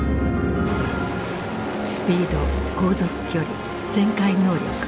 スピード航続距離旋回能力。